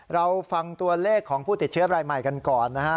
เราฟังตัวเลขของผู้ติดเชื้อรายใหม่กันก่อนนะฮะ